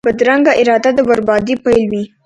بدرنګه اراده د بربادۍ پیل وي